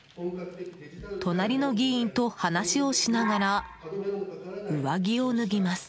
隣の議員と話をしながら上着を脱ぎます。